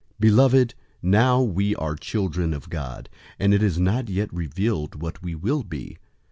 003:002 Beloved, now we are children of God, and it is not yet revealed what we will be.